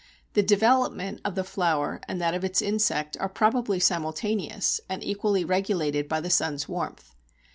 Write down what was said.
The development of the flower and that of its insect are probably simultaneous, and equally regulated by the sun's warmth.